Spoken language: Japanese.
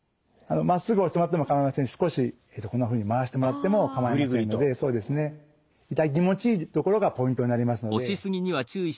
まっすぐ押してもらっても構いませんし少しこんなふうに回してもらっても構いませんので痛気持ちいい所がポイントになりますので。